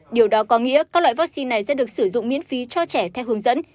điều đó có nghĩa các loại vaccine này sẽ được sử dụng miễn phí cho trẻ